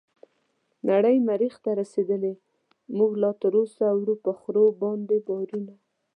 نړۍ مريح ته رسيدلې موږ لا تراوسه وړو په خرو باندې بارونه